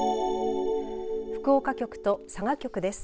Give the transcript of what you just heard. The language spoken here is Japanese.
福岡局と佐賀局です。